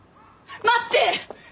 待って！